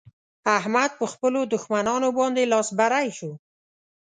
احمد په خپلو دښمانانو باندې لاس بری شو.